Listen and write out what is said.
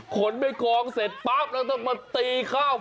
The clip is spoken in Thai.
ขนไม่คลองเสร็จป๊าบแล้วต้องมาตีข้าว